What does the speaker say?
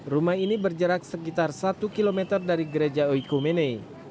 rumah ini berjarak sekitar satu km dari gereja oiku mene